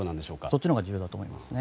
そっちのほうが重要だと思います。